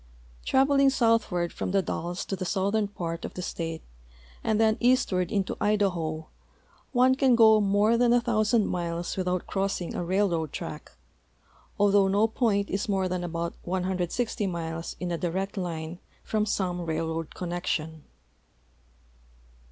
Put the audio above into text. Traveling southward from the Dalles to the southern part of the state and then eastward into Idaho one can go more than a thousand miles without cro.ssing a railroad track, although no point is more tlian about 160 miles in a direct line from some railroad connection.